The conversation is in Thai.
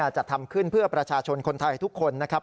จัดทำขึ้นเพื่อประชาชนคนไทยทุกคนนะครับ